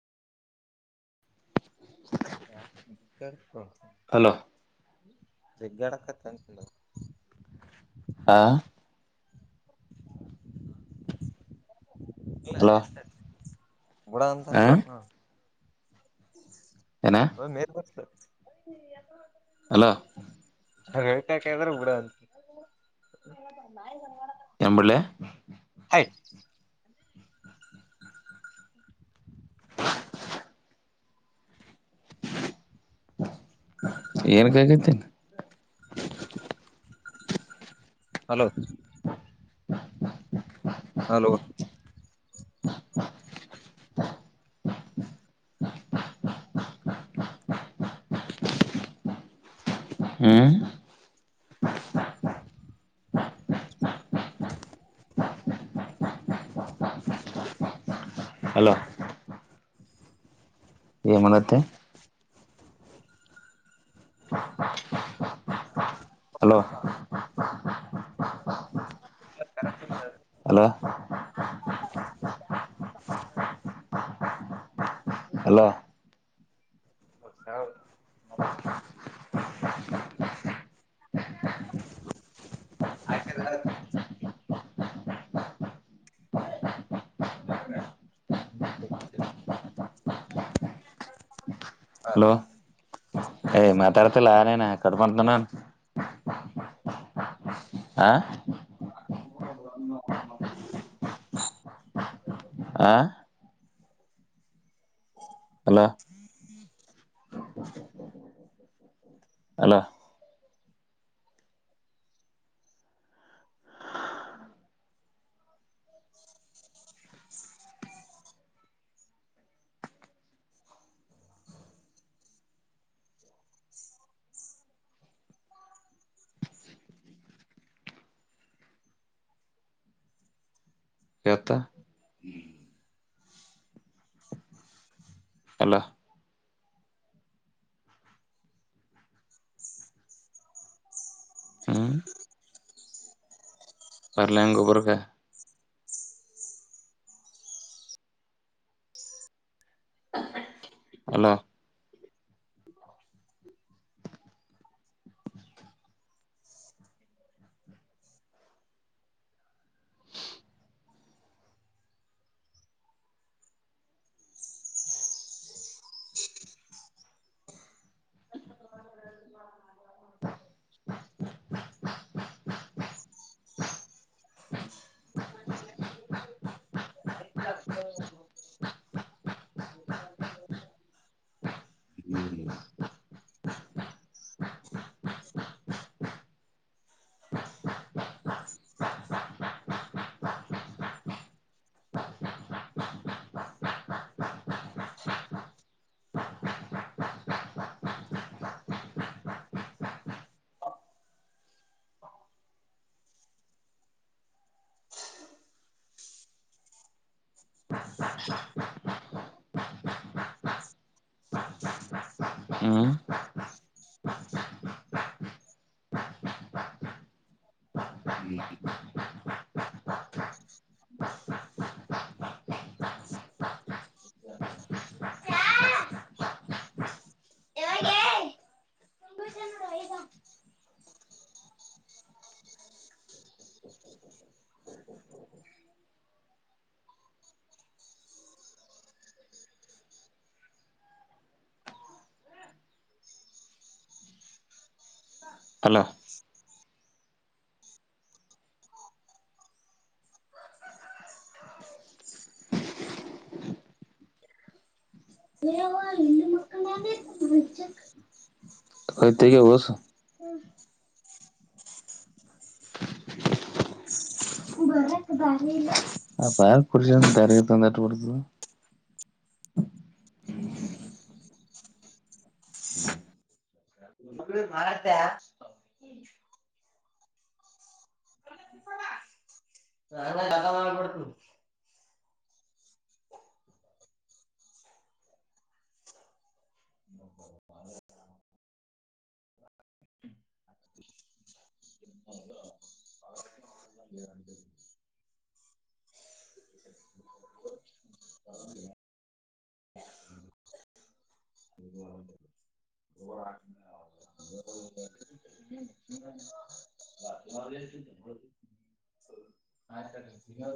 ಯ ಹಲೋ [inaudible] ಹಾ ಹಲೋ [inaudible] ಬುಡ ಅಂತನ ಹ ಏನ ಹ ಮೇ ಅಲೋ ರೇವಿಕಾಕದ್ರೆ ಕೂಡ ಅಂತ ಎಂಬಿಡ್ಲಿ ಹಯ್ ಏನ್ ಕಗತೇನ್ ಹಲೋ ಹಲೋ ಹ್ಮ್ ಹಲೋ ಏನ್ ಮಾಡಕ್ಕತ್ತಿ ಹಲೋ ಅಲೋ ಹಲೋ [inaudible] [inaudible] ಹಲೋ ಯ್ತಾಡ್ತಿಲ್ಲ ಆನೇನ ಕಟ್ ಬಂತ ನನ್ ಆಾ ಆ ಹಲೋ ಹ್ಮ್ ಅಲಾ ಇವತ್ತ ಹಲೋ ಹ್ಮ್ ಬರ್ಲ ಹೆಂಗ ಒಬ್ರಗ ಹಲೋ ಹ್ಮ್. ಹ್ಮ್ ಹ್ಮ್. ಹಲೋ ಕತಿಗ ಹೊಸೂ. ಅಪ ಯಾರ ಕುಡಕ್ಷ ತರಗ ತಂದಟ್ಟ ಕೊತ ನತ ಸ ಜತ ಮಾಡಲ್ ಕೊಡ್ತು ಮಾಡ್ಬಿಡ್ತ